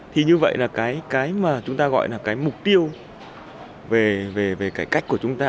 thì như vậy là cái mà chúng ta gọi là cái mục tiêu về cải cách của chúng ta